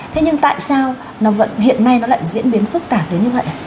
thế nhưng tại sao hiện nay nó lại diễn biến phức tạp đến như vậy